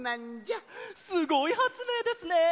すごいはつめいですね！